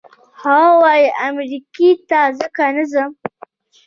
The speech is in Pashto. هغه وايي امریکې ته ځکه نه ځم.